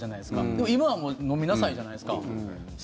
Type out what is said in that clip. でも今はもう飲みなさいじゃないですか。